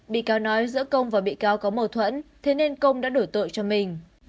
bị cáo nói giữa công và bị cáo có mâu thuẫn thế nên công đã đổi tội cho mình